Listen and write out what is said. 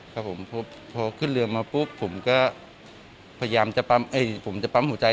ครับผมพอขึ้นเรือมาปุ๊บผมก็พยายามจะปั๊มผมจะปั๊มหัวใจ